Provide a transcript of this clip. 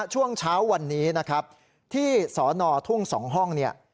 ช่วงเช้าวันนี้นะครับที่สอนอทุ่ง๒ห้องเนี่ย